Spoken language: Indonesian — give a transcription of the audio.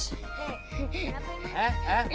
eh eh mana mana